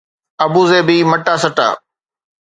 ابوظهبي مٽا سٽا